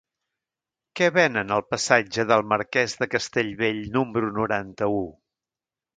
Què venen al passatge del Marquès de Castellbell número noranta-u?